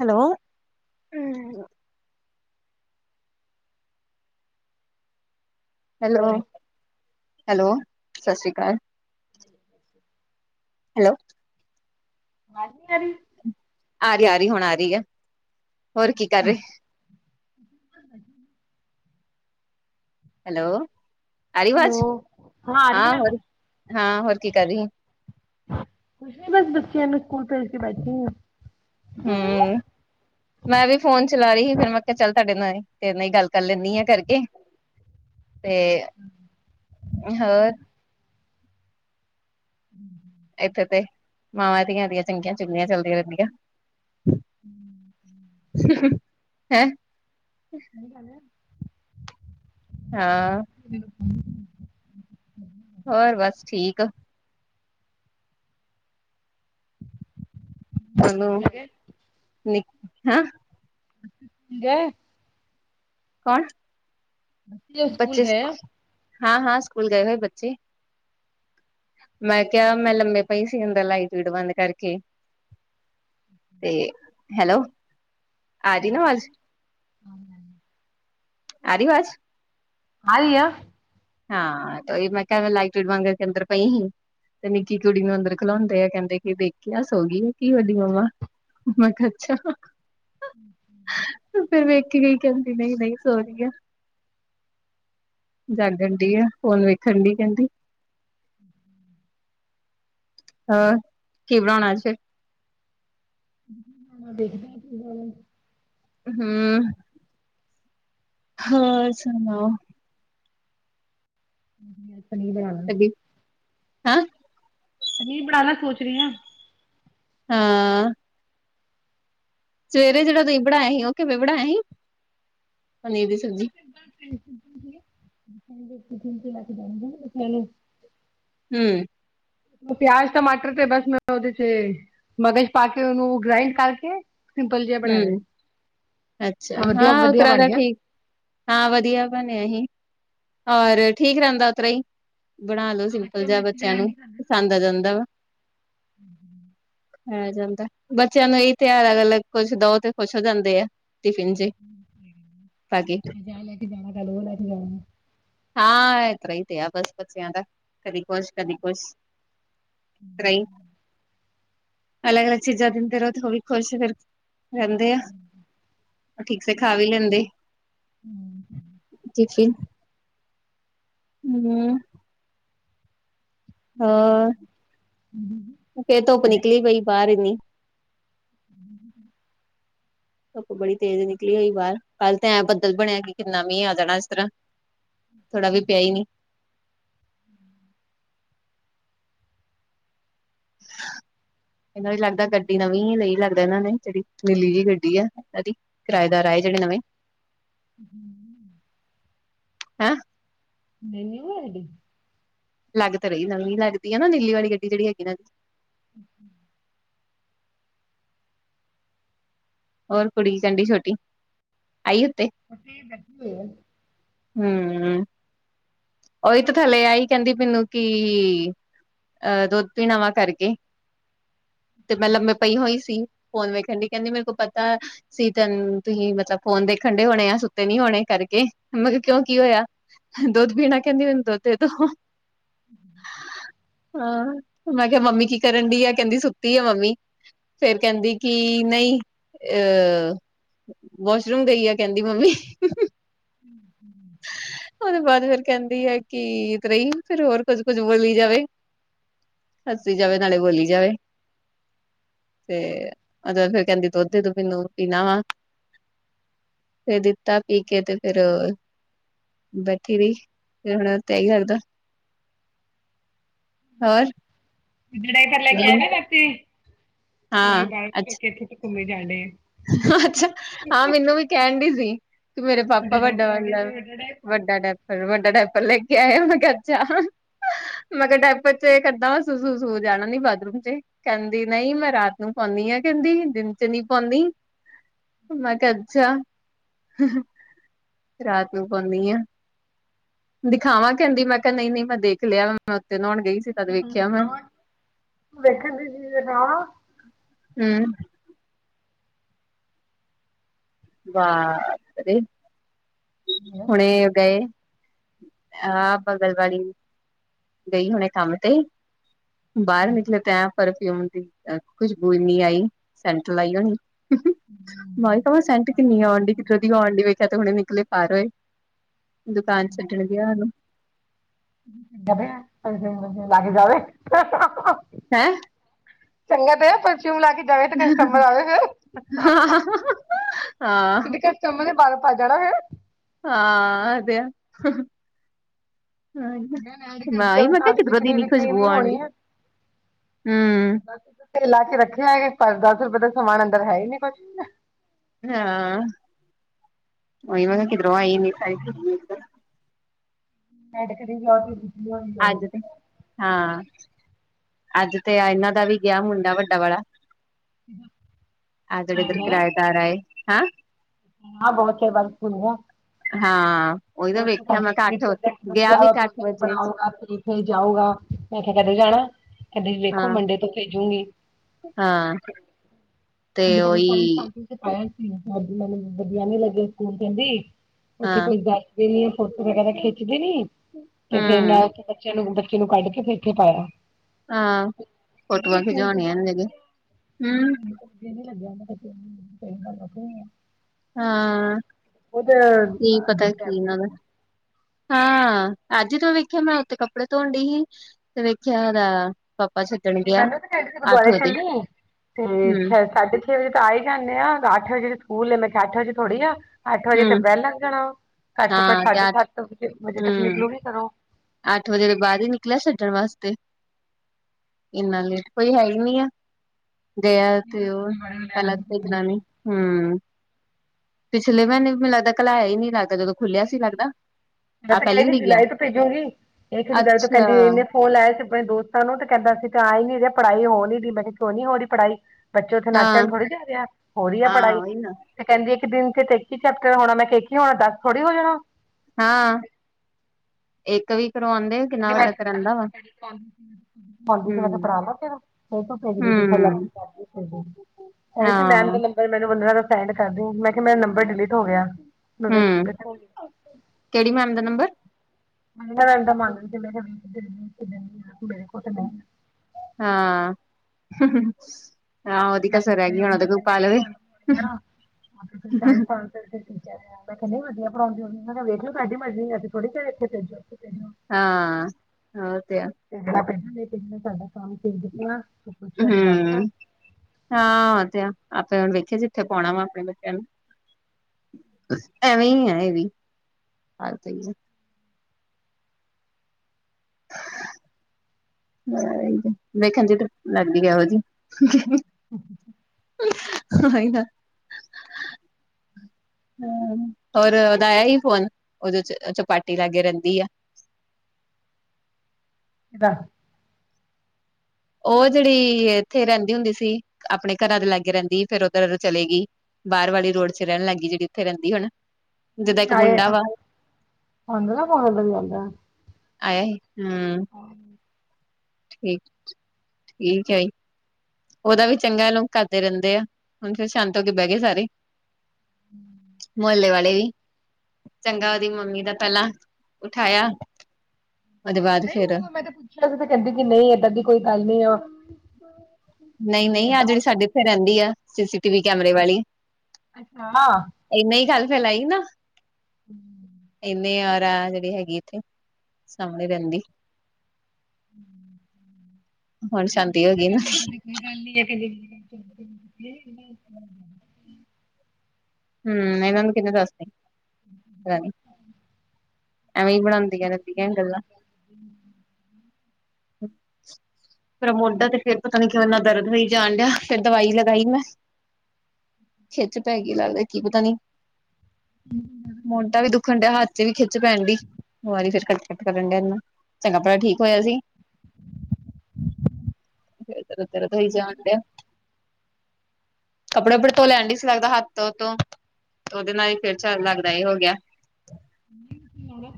Hello. Hello hello, ਸਤਿ ਸ਼੍ਰੀ ਅਕਾਲ। [inaudible] Hello. ਆਵਾਜ਼ ਨੀ ਆ ਰਹੀ? ਆ ਰਹੀ- ਆ ਰਹੀ, ਹੁਣ ਆ ਰਹੀ ਆ, ਹੋਰ ਕੀ ਕਰ ਰਹੇ? [inaudible] ਹੈਲੋ, ਆਰੀਵਾਜ਼, ਹਾਂ ਹੋਰ, ਹਾਂ ਹੋਰ ਕੀ ਕਰ ਰਹੀ? ਕੁੱਛ ਨੀ ਬਸ, ਬੱਚਿਆਂ ਨੂੰ ਸਕੂਲ ਭੇਜ ਕੇ ਬੈਠੀ ਆ। ਹੂੰ। ਮੈਂ ਵੀ ਫੋਨ ਚਲਾ ਰਹੀ ਸੀ, ਫੇਰ ਮੈਂ ਕਿਹਾ ਚੱਲ ਤੁਹਾਡੇ ਨਾਲ, ਤੇਰੇ ਨਾਲ ਈ ਗੱਲ ਕਰ ਲੈਂਦੀ ਆ ਕਰਕੇ। ਤੇ, ਨ ਹੋਰ ਹੂੰ। ਇੱਥੇ ਤੇ, ਮਾਵਾਂ ਧੀਆਂ ਦੀਆਂ ਚੰਗੀਆਂ- ਚੁੰਗੀਆਂ ਚੱਲਦੀਆਂ ਰਹਿੰਦੀਆਂ। [inaudible] ਹੈਂ? ਸਹੀ ਗੱਲ ਐ। ਹਾਂ। ਹ [unintelligible] ਹੋਰ ਬਸ ਠੀਕ ਕ। ਉਹਨੂੰ, ਨੀ ਹੈਂ। ਗੇ। ਕੋਣ ਬੱਚੇ ਸਕੂ, ਹਾਂ ਹਾਂ, ਸਕੂਲ ਗਏ ਹੋਏ ਬੱਚੇ। ਮੈਂ ਕਿਹਾ ਮੈਂ ਲੰਮੇ ਪਈ ਸੀ, ਹੁਣ ਤੇ ਲਾਈਟ -ਲੂਇਟ ਬੰਦ ਕਰਕੇ। ਤੇ, ਹੈਲੋ। ਆ ਰੀ ਨਾ ਆਵਾਜ਼, ਆ ਰੀ ਆਵਾਜ਼? ਆ ਰਹੀ ਆ। ਹਾਂ, ਇਹ ਮੈਂ ਕਿਹਾ ਲਾਈਟ -ਲੂਇਟ ਬੰਦ ਕਰਕੇ ਅੰਦਰ ਪਈ ਸੀ। ਇਹ ਨਿੱਕੀ ਕੁੜੀ ਨੂੰ ਅੰਦਰ ਖਿਲਾਉਂਦੇ ਆ, ਕਹਿੰਦੇ ਕਿ, ਦੇਖ ਕੇ ਆ ਸੋ ਗਈ ਆ, ਕੀ ਵੱਡੀ ਮੰਮਾ। ਮੈਂ ਕਿਹਾ ਅੱਛਾ। ਹੂੰ ਹੂੰ। ਫਿਰ ਵੇਖ ਕੇ ਗਈ, ਕਹਿੰਦੀ ਨਹੀਂ-ਨਹੀਂ ਸੋਹਰੀ ਆ, ਜਾਗ ਦੇ ਨੇ ਦੀ ਆ, ਹੁਣ ਵੇਖਣ ਗਈ ਕਹਿੰਦੀ [inaudible] ਹੋਰ, ਕੀ ਬਣਾਉਣਾ ਅੱਜ? [unintelligible] ਦੇਖਦੀ ਆ ਕਿ ਬਣੂ। ਹੂੰ, ਹਾਂ ਸੁਣਾਓ ਹੂੰ ਹੁਣੇ ਆਏ। ਥੱਕ‌ ਗੀ, ਹੈ। ਪਨੀਰ ਬਣਾ ਲਵਾਂ ਸੋਚ ਰਹੀ ਹਾਂ। ਹਾਂ ਸਵੇਰੇ ਜਿਹੜਾ ਤੁਸੀਂ ਬਣਾਇਆ ਸੀ ਉਹ ਕਿਵੇਂ ਬਣਾਇਆ ਸੀ ਪਨੀਰ ਦੀ ਸਬਜ਼ੀ। ਤੇ ਲੈ ਕੇ ਜਾਗੇ ਲੋ [inaudible] ਹਮ ਉਹ ਪਿਆਜ ਟਮਾਟਰ ਤੇ ਬਸ ਮੈਂ ਉਹਦੇ ਚ ਮਗਜ ਪਾ ਕੇ ਉਹਨੂੰ ਗ੍ਰਾਇੰਡ ਕਰਕੇ। ਸਿੰਪਲ ਜਿਹਾ ਬਣਾਇਆ ਹੈ। ਹਮ, ਅੱਛਾ, ਤਾਂ ਵਧੀਆ ਹਾਂ ਵਧੀਆ ਉਤਰਾ ਬਣ ਦਾ ਗਿਆ ਠੀਕ। ਹਾਂ, ਵਧੀਆ ਬਣਿਆ ਹੀ, ਹੋਰ ਠੀਕ ਰਹਿੰਦਾ ਉਤਰਾਈ। ਬਣਾ ਲੋ ਹਾਂ ਸਿੰਪਲ ਬੱਚੇ ਜਿਹਾ ਮਿਰਚ ਬੱਚਿਆਂ ਗ੍ਰੈਂਡ ਨੂੰ ਨਹੀਂ ਕਰਦੇ ਪਸੰਦ ਆ ਜਾਂਦਾ ਵਾ। ਖਾਇਆ ਜਾਂਦਾ ਬੱਚਿਆਂ ਨੂੰ ਇਹੀ ਤਿਉਹਾਰ ਅਗਰ ਕੁਝ ਦਿਉ ਤੇ ਖੁਸ਼ ਹੋ ਜਾਂਦੇ ਆ। ਟਿਫਨ ਚ। ਪਾ ਕੇ ਮੈਂ ਚਾਹ ਲੈ ਕੇ ਜਾਣਾ ਕੱਲ ਉਹ ਲੈ ਕੇ ਜਾਣਾ। ਹਾਂ ਇਹ ਤਰਾਂ ਹੀ ਤੇ ਆ ਬਸ ਬੱਚਿਆਂ ਦਾ ਕਦੀ ਕੁਛ ਕਦੀ ਕੁਛ। ਤਰ੍ਹਾਂ ਹੀ ਅਲੱਗ ਅਲੱਗ ਚੀਜ਼ਾਂ ਦਿੰਦੇ ਰਹੋ ਤੇ ਉਹ ਵੀ ਖੁਸ਼ ਫਿਰ। ਰਹਿੰਦੇ ਆ, ਠੀਕ ਸੇ ਖਾ ਵੀ ਲੈਂਦੇ। ਹਮ ਜੇ ਫਿਰ ਹਮ। ਠੀਕ ਹੋਰ ਫਿਰ ਧੁੱਪ ਨਿਕਲੀ ਪਈ ਬਾਹਰ ਇੰਨੀ। ਹਮ ਧੁੱਪ ਬੜੀ ਤੇਜ਼ ਨਿਕਲੀ ਹੋਈ ਬਾਹਰ ਕੱਲ ਤੇ ਐਂ ਬੱਦਲ ਬਣਿਆ ਕਿ ਕਿੰਨਾ ਮੀਂਹ ਆ ਜਾਣਾ ਇਸ ਤਰ੍ਹਾਂ। ਥੋੜਾ ਵੀ ਪਿਆ ਹੀ ਨੀ। ਇਹਨਾ ਵੀ ਲੱਗਦਾ ਗੱਡੀ ਦਾ। ਨੀਂ ਨਹੀਂ ਲੱਗਦਾ ਇਹਨਾਂ ਨੇ ਜਿਹੜੀ ਨੀਲੀ ਜਿਹੀ ਗੱਡੀ ਆ ਇਹਦੀ ਕਿਰਾਏਦਾਰ ਆਏ ਜਿਹੜੇ ਨਵੇਂ। ਹਮ ਹੈਂ ਨੀਲੀ ਨਹੀਂ ਹੈਗੀ? ਲੱਗ ਤਾਂ ਰਹੀ ਨਵੀਂ ਲੱਗਦੀ ਹੈ ਨਾ ਨੀਲੀ ਵਾਲੀ ਗੱਡੀ ਜਿਹੜੀ ਹੈ ਇਹਨਾਂ ਦੀ। ਅਮ ਹੋਰ ਕੁੜੀ ਚਲ ਗਈ ਛੋਟੀ ਆਈ ਉੱਤੇ? ਅਸੀਂ ਬੈਠੇ ਹੋਏ ਆ। ਹਮ ਉਹੀ ਤਾਂ ਥੱਲੇ ਆਈ ਕਹਿੰਦੀ ਮੈਨੂੰ ਕਿ। ਅਹ ਦੁੱਧ ਪੀਣਾ ਵਾਂ ਕਰਕੇ ਤੇ ਪਹਿਲਾ ਮਤਲਬ ਮੈ ਪਈ ਹੋਈ ਸੀ ਫੋਨ ਵੇਖਣ ਕਹਿੰਦੇ ਮੇਰੇ ਕੋ ਪਤਾ। ਸੀ ਤੁਸੀਂ ਮਤਲਬ ਫੋਨ ਦੇਖਣ ਡਏ ਹੋਣੇ ਆ ਸੁੱਤੇ ਨੀ ਹੋਣੇ ਕਰਕੇ ਮਤਲਬ ਮੈ ਕਿਹਾ ਕਿਉਂ ਕੀ ਹੋਇਆ? ਦੁੱਧ ਪੀਣਾ ਕਹਿੰਦੀ ਮੈਨੂੰ ਦੁੱਧ ਦੇ ਦਿਓ। ਹਮ ਹਹ ਮੈਂ ਕਿਹਾ ਮੰਮੀ ਕੀ ਕਰਨ ਡਈ ਆ ਕਹਿੰਦੀ ਸੁੱਤੀ ਆ ਮੰਮੀ। ਫੇਰ ਕਹਿੰਦੀ ਕਿ ਨਹੀਂ ਅਹ। ਵਾਸ਼ਰੂਮ ਗਈ ਆ ਕਹਿੰਦੀ ਮੰਮੀ। ਹਮ, ਹਮ। ਉਹਦੇ ਬਾਅਦ ਫਿਰ ਕਹਿੰਦੀ ਹੈ ਕਿ ਤਰ੍ਹਾਂ ਹੀ ਫਿਰ ਹੋਰ ਕੁੱਝ ਕੁਝ ਬੋਲੀ ਜਾਵੇ। ਹੱਸੀ ਜਾਵੇ ਨਾਲੇ ਬੋਲੀ ਜਾਵੇ। ਤੇ ਉਹ ਫੇਰ ਕਹਿੰਦੀ ਦੁੱਧ ਦੇ ਦਿਓ ਮੈਨੂੰ ਪੀਣਾ ਵਾ। ਫਿਰ ਦਿੱਤਾ ਪੀ ਕੇ ਤੇ ਫੇਰ। ਠ ਫ ਹੁਣ ਤਿ [inaudible] ਆ ਹੀ ਸਕਦਾ ਹੋਰ ਜੜਾਈ ਪਰ ਲੈ ਕੇ ਆਏ ਜਾੇ ਉ ਹਾਂ ਬਦ ਅੱਛਾ ਇਥੇ ਘੁੰਮੇ ਜਾਣੇ ਆ [unintelligible] ਅੱਛਾ, ਹਾਂ ਮੈਨੂੰ ਵੀ ਕਹਿਣ ਡਈ ਸੀ। ਤੇ ਮੇਰੇ ਪਾਪਾ ਵੱਡੇ ਵੱਡਾ ਡਾਇਪਰ ਆ ਗਿਆ ਵਾ ਵੀ ਵੱਡਾ ਡਾਇਪਰ ਵੱਡਾ ਡ [inaudible] ਫਿਰ ਵੱਡਾ ਡਾਈਪਰ ਲੈ ਕੇ ਆਏ ਹੋ ਮੈਂ ਕਿਹਾ ਅੱਛਾ। ਮੈਂ ਕਿਹਾ ਟੈਪਰ ਚ ਕਿਦਾਂ ਵ ਸ ਸੁੂਸੂ ਜਾਣਾ ਨੀ ਬਾਥਰੂਮ ਚ ਕਹਿੰਦੀ ਨਹੀਂ ਮੈਂ ਰਾਤ ਨੂੰ ਪਾਉਂਦੀ ਆਾਂ ਕਹਿੰਦੀ ਦਿਨ ਚ ਨਹੀਂ ਪਾਉਂਦੀ ਮੈਂ ਕਜ ਰਾਤ ਨੂੰ ਪਾਉਂਦੀ ਹਾਂ ਦਿਖਾਵਾਂ ਕਹਿੰਦੀ ਮੈਂ ਕਿਹਾ ਨਹੀਂ ਮੈਂ ਦੇਖ ਲਿਆ ਉੱਥੇ ਨਾਉਣ ਵੇਖਣ ਦੀ ਜੀ ਨਾ ਹਮ ਵਾਹ ਹਮ ਹੁਣੇ ਗਏ ਆਹ ਬਗਲਵਾੀ ਗਈ ਹੁਣੇ ਕੰਮ ਤੇ ਬਾਹਰ ਨਿਕਲੇ ਤੇ ਹੈ ਪਰਫਿਊਮ ਦੀ ਖੁਸ਼ਬੂ ਇੰਨੀ ਆਈ ਸੈਂਟ ਲਾਈ ਹੋਣੀ ਮਾਈ ਤਾਂ ਸੈਂਟ ਕਿੰਨੀ ਆਉਣ ਡ ਕਿੱਦਰ ਦੀ ਆਉਣ ਡ ਵੇਖਿਆ ਤੇ ਹੁਣੇ ਮਨੂੰ ਕਾਰੋਏ ਦੁਕਾਨ ਛੱਡਣ ਦੀ ਆ ਉਹਾਨੂੰ ਲੱਗ ਜਾਵੇ ਹੈਂ ਚੰਗਾ ਤੇ ਹੈ ਪਰਫਿਊਮ ਲਾ ਕੇ ਜਾਵੇ ਤੇ ਕਸਟਬਰ ਆਵੇ ਫ ਹਾਂ ਕਿੰਦੇ ਘਰ ਚ ਉਹਮ ਦੇ ਬ ਪ ਜਾਣਾਾ ਹੈ ਹਾਸਿਆਂ ਮੈਂ ਐਡ ਹ ਕਰ ਮਾਈ ਜਾਵੇ ਮੈਂ ਤਾਂ ਕਿਹਾ ਕਿਧ ਦੀ ਨ ਖਜ ਬੂਂ ਡਡੀ ਦਸ ਤੇ ਲਾ ਕੇ ਰੱਖੇ ਹੈਗੇ ਪਰ ਦਸ ਰੁਪਏ ਦਾ ਸਮਾਨ ਅੰਦਰ ਹੈ ਹੀ ਨੀ ਕੁਛ ਵੀ ਨਾ ਹ ਇਹਵਾਂਕ ਈ ਮ ਅੜਕ ਦੀ ਅੱਜ ਦੇ ਹਾਂ ਅੱਜ ਤੇ ਇਹਨਾਂ ਦਾ ਵੀ ਗਿਆ ਮੁੰਡਾ ਵੱਡਾ ਵਾਲਾ ਆ ਜਿਹੜੇ ਇਧਰ ਆਇਆ ਕਿਰਾਏ ਹੈ ਹਾਂ ਹਾਂ ਬਹੁਤ ਬਿਲਕੁਲ ਹੈ। ਹਾਂ ਉਹੀ ਤਾਂ ਕਹ ਵੇਖਿਆ ਮੈਂ ਕਿਹਾ ਅੱਠ ਪ੍ਰੋਜੈਕਟ ਗਿਆ ਬੱਚਿਆ ਵੀ ਵਾ ਤੇ ਅੱਠ ਪ੍ਰੋਜੈਕਟ ਵਜੇ ਬਣਾਓ ਫੇ ਜਾਊਗਾ ਮੈਂ ਕਿਹਾਿਆ ਕਦੇ ਜਾਣਾ ਕਦੇ ਵੇਖੋ ਹਾਂ ਮੰਡੇ ਤੋਂ ਭੇਜੂਗੀ ਹਾਂ ਤੇ ਅਜ ਕਲ ਉਹੀ ਪਾਇਆ ਸੀ ਮੈਨੂੰ ਵਧੀਆ ਨੀ ਲੱਗੇ ਸਕੂਨ ਕਹਿੰਦੀ ਉੱਥੇ ਹਾਂ ਕੋਈ ਗ ਫੋਟੋ ਵਗੈਰਾ ਖਿੱਚਦੇ ਨੀ ਤੇ ਫੇਰ ਮੈਂ ਹੂੰ ਉੱਥੇ ਬੱਚਿਆਂ ਨੂੰ ਬੇ ਨੂੰ ਕੱਢ ਕੇ ਤੇ ਇੱਥੇ ਪਾਇਆ ਹਾਂ ਕਹਿੰਦੀ ਫੋਟੋਆਂ ਸਕੂਲ ਤੇ ਖਿਜਵਾਉਣੀਆਂ ਬਹੁਤ ਇਹ ਵਧੀਆ ਹਮ ਮੈਨੂੰ ਨੀ ਲੱਗਿਆ ਹਾਂ ਉਹ ਤੇ ਕੀ ਅਜੀਬ ਪਤਾ ਟਾਈਮ ਕੀ ਹਾਂ ਅੱਜ ਹੀ ਤ ਵੇਖਿਆ ਮੈਂ ਉੱਥੇ ਕੱਪੜੇ ਧੋਣ ਡ ਸੀ ਤੇ ਵੇਖਿਆ ਉਹਦਾ ਪਾਪ ਛੱ ਮੈਨੂੰ ਤੇ ਕ ਗੁਰਦੁਆਰੇ ਚੱਲੀ ਤੇ ਹਮ ਸਾਢੇ ਮੇਰੇ ਵਜੇ ਤਾਂ ਆ ਹੀ ਜਾਂਦੇ ਹ ਆ ਅੱ ਵਜੇ ਸ ਸਕੂਲ ਆ ਮੈਂ ਕਿਹਾ ਅੱ ਵਜੇ ਥੋੜ੍ਹੀ ਆ ਅੱਠ ਵਜੇ ਤੇ ਹਮ ਬਹਿ ਲੱਘ ਜਾਣਾ ਘੱਟ ਤੋਂ ਹਾਂ ਘੱਟ ਤੇ ਸਾਢੇ ਅੱਠ ਸੱਤ ਵਜੇ ਤੱਕ ਹਮ ਨਿਕਲੂ ਨੀ ਕਰੋ ਅੱਠ ਵਜੇ ਬਾਅਦ ਹੀ ਨਿਕਲਿਆ ਸਛੱਡਣ ਵਾਸਤੇ ਇੰਨਾ ਲੇਟ ਕੋਈ ਹੈ ਹੀ ਨੀ ਆ ਗ ਤੇ ਉਹ ਪਹਿਲਾਂ ਤਾਂ ਭੇਜਣਾ ਨੀ ਹਮ ਪਿਛਲੇ ਮਹੀਨੇ ਵੀ ਮੈਨੂੰ ਲੱਗਦਾ ਘਲਾਇਆ ਹੀ ਨਹੀਂ ਲੱਗਦਾ ਜਦੋਂ ਖੁੱਲਿਆ ਸੀ ਲੱਗਦਾ ਮੈਂ ਆਹ ਤਾਂ ਪਹਿਲੀ ਕਹੀ ਸੀ ਵਾਰੀ ਗਿਆ ਜੁਲਾਈ ਤੋਂ ਭੇਜੂਗੀ ਇਹ ਕਿਸੇ ਦਰਦ ਅੱਛਾ ਕਦੀ ਰਹਦੀ ਫੋ ਲਏਆ ਸੀ ਆਪਣੇ ਦੋਸਤਾਂ ਨੂੰ ਤੇ ਕਹਿੰਦਾ ਸੀ ਤੇ ਆਏ ਨੀ ਰ ਪੜ੍ਹਾਈ ਹੋ ਡ ਮੈਂ ਕਿਹਾ ਕਿਉਂ ਨੀ ਹੋ ਰਹੀ ਪੜ੍ਹਾਈ ਬੱਚੇ ਉੱਥੇ ਨੱਚਣ ਹਾਂ ਥੋੜ੍ਹੀ ਜਾ ਰਿਹਾ ਹੋ ਰਹੀ ਹੈ ਹਾਂ ਪੜ੍ਹਾਈ। ਉਹੀ ਨਾ ਤੇ ਕਹਿੰਦੀ ਇੱਕ ਦਿਨ ਚ ਤੇ ਇੱਕੀ ਚੈਪਟਰ ਹੋਣਾ ਮੈਂ ਕਿਹਾ ਇਕ ਹੀ ਹੋਣਾ ਦਸ ਥੋੜ੍ਹੀ ਹੋ ਜਾਣਾ। ਹਾਂ, ਇੱਕ ਵੀ ਕਰਵਾਉਂਦੇ। ਕਿੰਨਾ ਇਦੇ ਵੱਡਾ ਵਾਸਤੇ ਕਰਨ ਦਾ ਵਾ [unintelligible] ਮੋਨਵੀ ਨੂੰ ਮੈ ਕਿਹਾ ਹੂੰ, ਪੜਾ ਬੈਠੀ ਤੂੰ ਫਿਰ ਤੂੰ ਭੇਜ ਦੇ ਫੇਰ ਥਲੇ। ਹੂੰ, ਕਹਿ ਰਹੀ ਸੀ ਮੈਮ ਹਾਂ, ਨੇ ਮੈਨੂੰ ਮੈਨੂੰ ਮੈਮ ਦਾ ਨੰਬਰ ਸੈਂਡ ਕਰਦੀ ਮੈਂ ਕਿਹਾ ਮੇਰਾ ਨੰਬਰ ਡਿਲੀਟ ਹੋ ਗਿਆ ਮੈ ਹੂੰ, ਵੇਖਕੇ ਕਿਹੜੀ ਮੈਮ ਦਾ ਨੰਬਰ? ਮੈਨੂੰ ਤੇ ਲੱਗਦਾ ਮੰਗਣ ਚਲੇ ਗਏ [unintelligible] ਮੇਰੇ ਕੋਲ ਨਹੀ। ਹਾਂ, ਹੂੰ -ਹੂੰ। [unintelligible] Time pass. ਮੈਂ ਕਿਹਾ ਵਧੀਆ ਪੜਾਉਂਦੀ ਮੈਂ ਕਿਹਾ ਵੇਖਿ ਲਓ ਤੁਹਾਡੀ ਮਰਜ਼ੀ, ਅਸੀਂ ਥੋੜੀ ਕਿ ਹੈ ਇੱਥੇ ਭੇਜੋ। ਹਾਂ ਹੋ ਤੇ ਆ। [unintelligible] ਸਾਡਾ ਕੰਮ ਠੀਕ ਆ, ਕੁਛ ਪੁਛਿਆ ਤੇ ਦਸ ਤਾ। ਹੂੰ, ਹਾਂ, ਤੇ ਆ ਆਪੇ ਹੁਣ ਵੇਖਿਆ ਜਿੱਥੇ ਪਾਉਣਾ ਵਾ ਆਪਣੇ ਬੱਚਿਆਂ ਨੂੰ। ਐਵੇਂ ਹੀ ਹੈ, ਇਹ ਵੀ ਹਾਲ ਤਾਂਹੀ ਹੈ। ਵੇਖਣ ਚੇ ਤੇ ਲਗਦੀ ਏ ਇਹੋਜੀ। ਹੂੰ-ਹੂੰ। ਹੋਏ ਨਾ। ਹਾ, ਹੋਰ ਉਹਦਾ ਆਇਆ ਹੀ ਫੋਨ ਉਹਦੇ ਚ ਉਹ ਚਪਾਟੀ ਲਾਗੇ ਰਹਿੰਦੀ ਆ। ਕਿਦਾ? ਉਹ ਜਿਹੜੀ ਇੱਥੇ ਰਹਿੰਦੀ ਹੁੰਦੀ ਸੀ, ਆਪਣੇ ਘਰਾਂ ਦੇ ਲਾਗੇ ਰਹਿੰਦੀ ਫੇਰ ਉੱਧਰ ਚਲੇ ਗਈ। ਬਾਹਰ ਵਾਲੀ ਰੋਢ ਚ ਰਹਿਣ ਲੱਗਈ ਜਿਹੜੀ ਉੱਥੇ ਰਹਿੰਦੀ ਹੁਣ। ਜਿੱਦਾਂ ਇੱਕ ਆਏ, ਮੁੰਡਾ ਵਾ ਉਹਨਾਂ ਦਾ ਫੋਨ ਵੀ ਇਧਰ ਹੀ ਆਂਦਾ। ਆਇ ਹੂੰ। [inaudible] ਠੀਕ- ਠੀਕ ਹੈਈ। ਉਹਦਾ ਵੀ ਚੰਗਾ ਲੋਕ ਕਰਦੇ ਰਹਿੰਦੇ ਆ, ਹੁਣ ਫਿਰ ਸ਼ਾਂਤ ਹੋ ਕੇ ਬਹਿ ਗਏ ਸਾਰੇ। ਮੁਹੱਲੇ ਵਾਲੇ ਵੀ। ਚੰਗਾ, ਉਹਦੀ ਮੰਮੀ ਦਾ ਪਹਿਲਾਂ ਉਠਾਇਆ ਉਹਦੇ ਬਾਅਦ ਫੇਰ ਅਸੀਂ ਤੇ ਕਹਿੰਦੇ ਕਿ ਨਹੀਂ ਏਦਾਂ ਦੀ ਕੋਈ ਗੱਲ ਨੀ ਆ। ਨਹੀ-ਨਹੀ, ਆਹ ਏਦਾਂ ਜਿਹੜੀ ਹੁੰਦਾ ਸਾਡੇ ਇਥੇ ਰਹਿਦੀ ਆ, ਸੀਸੀ ਟੀਵੀ ਕੈਮਰੇ ਵਾਲੀ। ਅੱਛਾ, ਹਾਂ। ਇੰਹਨੇ ਹੀ ਗੱਲ ਫੈਲਾਈ ਨਾ, ਇਨੇ ਔਰ ਜਿਹੜੀ ਹੈਗੀ। ਇੱਥੇ ਸਮਣੇ ਰਹਿੰਦੀ। ਹੁਣ ਸ਼ਾਂਦੀ ਪੁੱਛਿਆ ਹੋ ਸੀ ਗਈ ਕਹਿੰਦੀ ਏਦਾਂ ਨਾ। ਦੀ ਕੋਈ ਗੱਲ ਨਹੀਂ, [unintelligible] ਹੂੰ, ਇਹਨਾਂ ਨੂੰ ਕਿੰਨੇ ਦੱਸਤਾ ਪਤਾ ਨੀ। ਐਵੇਂ ਹੀ ਬਣਾਉਂਦੀਆਂ [unintelligible] ??? [inaudible] ਮੇਰਾ ਮੋਢਾ ਤੇ ਫਿਰ ਪਤਾ ਨੀ ਕਿਉਂ ਦਰਦ ਹੋਈ ਜਾਣ ਡਿਆ, ਫਿਰ ਦਵਾਈ ਲਗਾਈ ਮੈਂ। ਖਿੱਚ ਪੈ ਗਈ ਲੱਗਦਾ ਕੀ ਪਤਾ ਨੀ। ਮੋਢਾ ਵੀ ਦੁੱਖਣ ਡਿਆ ਹੱਥ ਵੀ ਖਿੱਚ ਪੈਣ ਡੀ, ਵਾਰੀ ਫਿਰ ਇਕੱ ਕਰਨ ਡਿਆ ਇਹੂੰ ਚੰਗਾ ਭਲਾ ਠੀਕ ਹੋਇਆ ਸੀ। ਇਹ ਤਾ ਦਰਦ ਹੋਈ ਜਾਂਡਿਆ। ਕੱਪੜੇ ਕੁਪੜੇ ਧੋ ਲੈਢਸੀ ਲੱਗਦਾ ਹੱਥ ਤੋਂ-ਤੋ ਉਹਦੇ ਨਾਲ ਹੀ ਫੇਰ ਚੱਲ ਲੱਗਦਾ ਹੋ ਗਿਆ। ਣਾ [unintelligible]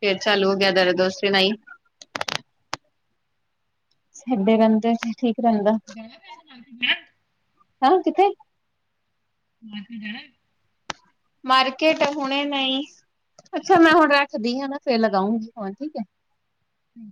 ਫੇਰ ਚਲੂ ਹੋ ਗਿਆ ਦਰਦ ਉਸ ਨਾਹੀ ਸਾਡੇ ਰਹਿਦੇ ਠੀਕ ਰਹਿਦਾ ਹੈਂ। ਹਾ ਕਿਥੇ? ਮਾਰਕੀਟ ਜਾਣਾ ਐ? ਮਾਰਕੇਟ ਹੁਣੇ ਨਈ। ਅੱਛਾ, ਮੈ ਹੁਣ ਰੱਖਦੀ ਆਂ ਨਾ ਫੇਰ ਲਗਾਊਂਗੀ ਫੋਨ ਠੀਕ ਐ। ਹੂੰ।